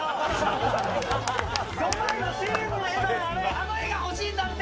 あの画が欲しいんだって。